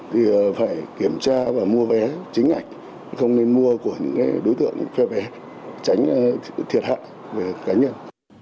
thì phải kiểm tra và mua vé chính ngạch không nên mua của những đối tượng thuê vé tránh thiệt hại về cá nhân